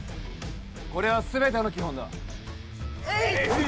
これは全ての基本だ。